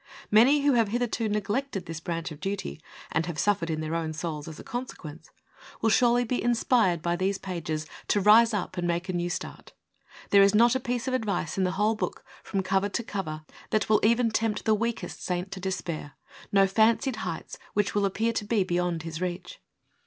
Many who have hitherto neglected this branch of duty, and have suffered in their own souls as a consequence, will surely be inspired by these pages to rise up and make a new start. There is not a piece of advice in the whole PREFACE. VII book, from cover to cover, that v^ill even tempt the weakest saint to despair, no fancied heights which will appear to be beyond his reach.